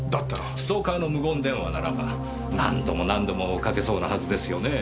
ストーカーの無言電話ならば何度も何度もかけそうなはずですよねぇ。